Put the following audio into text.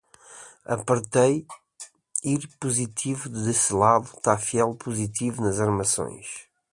Apertei ir positivo de Decelado ta fiel positivo nas Armações